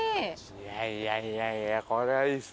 いやいやいやいやこれはいいですね。